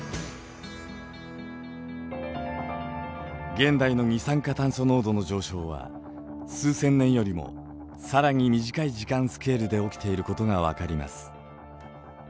現代の二酸化炭素濃度の上昇は数千年よりも更に短い時間スケールで起きていることが分かります。